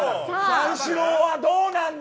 三四郎はどうなんだ。